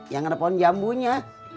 yang ada pohon jambunya